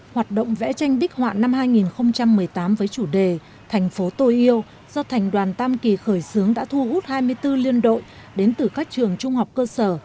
hoạt động vẽ tranh bích họa năm hai nghìn một mươi tám với chủ đề thành phố tôi yêu do thành đoàn tam kỳ khởi xướng đã thu hút hai mươi bốn liên đội đến từ các trường trung học cơ sở